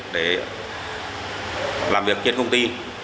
để làm việc trên công ty